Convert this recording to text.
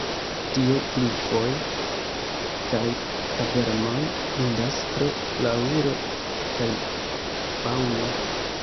Tie klifoj kaj kavernoj indas pro flaŭro kaj faŭno.